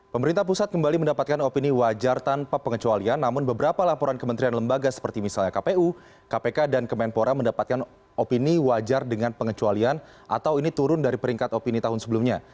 pemerintah pusat kembali mendapatkan opini wajar tanpa pengecualian namun beberapa laporan kementerian lembaga seperti misalnya kpu kpk dan kemenpora mendapatkan opini wajar dengan pengecualian atau ini turun dari peringkat opini tahun sebelumnya